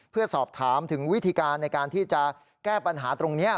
เพื่อสอบถามถึงวิธีการในการที่จะแก้ปัญหาตรงนี้